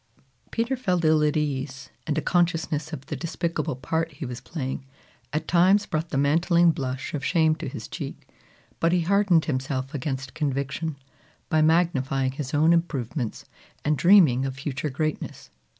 Peter felt ill at ease; and a consciousness of the despicable part he was playing, at times brought the mantling blush of shame to his cheek; but he hardened himself against conviction, by magnifying his own improvements and dreaming of future greatness.